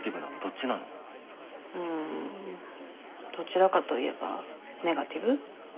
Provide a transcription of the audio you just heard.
うんどちらかといえばネガティブ？